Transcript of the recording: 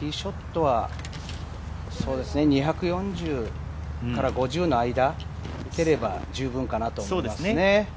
ティーショットは２４０から５０の間出れば十分かなと思いますね。